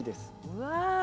うわ。